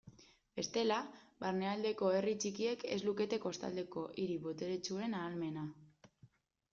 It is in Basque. Bestela, barnealdeko herri txikiek ez lukete kostaldeko hiri boteretsuen ahalmena.